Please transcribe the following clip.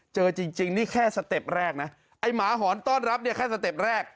เจอจริงนี่แค่สเต็ปแรกนะไอ้หมาหอนต้อนรับเนี่ยแค่สเต็ปแรก